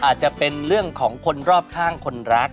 อาจจะเป็นเรื่องของคนรอบข้างคนรัก